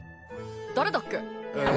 誰だっけ？